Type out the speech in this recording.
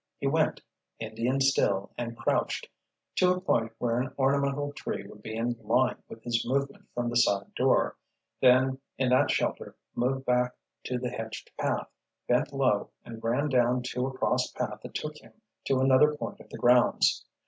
He went, Indian still and crouched, to a point where an ornamental tree would be in line with his movement from the side door, then in that shelter moved back to the hedged path, bent low and ran down to a cross path that took him to another point of the grounds.